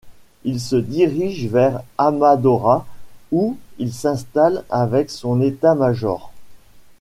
Il se dirige vers Amadora où il s'installe avec son état-major.